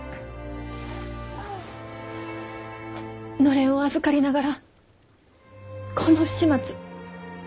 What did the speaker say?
のれんを預かりながらこの不始末。